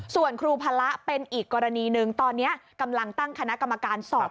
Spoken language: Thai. ส่วนครูพระเป็นอีกกรณีหนึ่งตอนนี้กำลังตั้งคณะกรรมการสอบ